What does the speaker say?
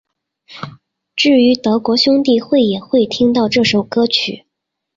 至于德国兄弟会也会听到这首歌曲。